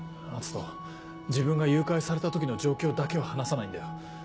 篤斗自分が誘拐された時の状況だけは話さないんだよ。